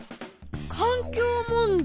環境問題？